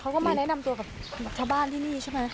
เขาก็มาแนะนำตัวกับชาวบ้านที่นี่ใช่ไหม